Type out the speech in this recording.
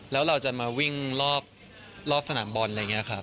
แล้วเราจะมาวิ่งรอบสนามบอลอะไรอย่างนี้ครับ